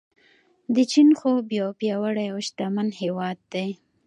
د چین خوب یو پیاوړی او شتمن هیواد دی.